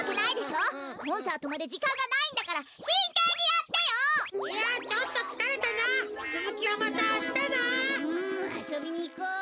うんあそびにいこ。